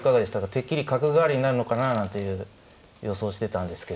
てっきり角換わりになるのかななんていう予想してたんですけど。